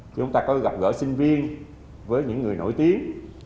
chúng ta có gặp gỡ sinh viên với những người nổi tiếng